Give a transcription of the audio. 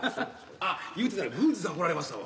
ああ言うてたら宮司さん来られましたわ。